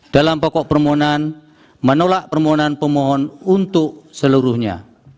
dalam pokok permohonan menolak permohonan pemohon untuk seluruhnya